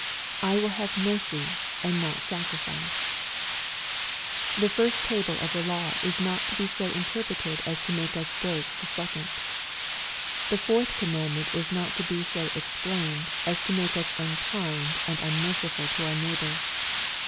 " I will have mercy and not sacrifice." The first table of the law is not to be so interpreted as to make us break the second. The fourth commandment is not to be so ex plained, as to make us unkind and unmerciful to our neighbor.